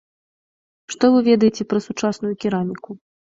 Што вы ведаеце пра сучасную кераміку?